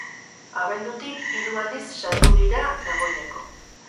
Abendutik hiru aldiz sartu dira dagoeneko.